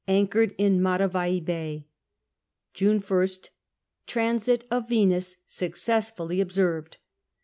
Anchored in Matavai Bay. Jvm IsL Transit of Venus successfully observed.